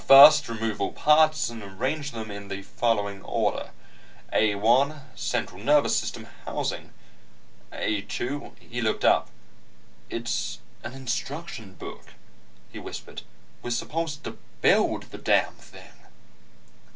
"'First, remove all parts and arrange them in the following order. A 1, central nervous system housing. A 2 ...'" He looked up. "It's an instruction book," he whispered. "We're supposed to build the damn thing."